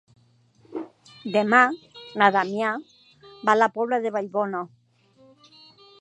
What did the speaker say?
Demà na Damià va a la Pobla de Vallbona.